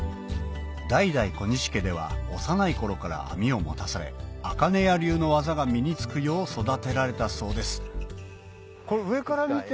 代々小西家では幼い頃から網を持たされ茜屋流の技が身に付くよう育てられたそうです